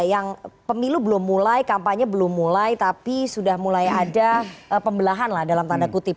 yang pemilu belum mulai kampanye belum mulai tapi sudah mulai ada pembelahan lah dalam tanda kutip